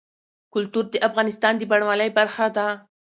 کلتور د افغانستان د بڼوالۍ برخه ده.